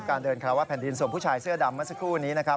การเดินคารวะแผ่นดินส่วนผู้ชายเสื้อดำเมื่อสักครู่นี้นะครับ